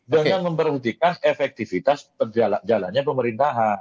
dengan memperhentikan efektivitas jalannya pemerintahan